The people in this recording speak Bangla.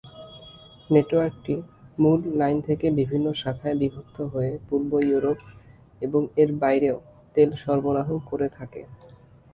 নেটওয়ার্কটি মূল লাইন থেকে বিভিন্ন শাখায় বিভক্ত হয়ে পূর্ব ইউরোপ এবং এর বাইরেও তেল সরবরাহ করে থাকে।